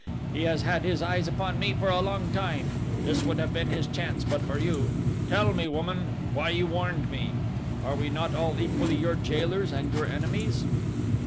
He has had his eyes upon me for a long time. This would have been his chance but for you. Tell me, woman, why you warned me. Are we not all equally your jailers and your enemies?"